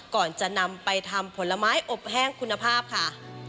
ก่อนจะนำไปทำผลไม้อบแห้งคุณภาพค่ะ